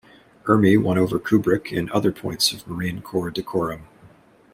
Ermey won over Kubrick in other points of Marine Corps decorum.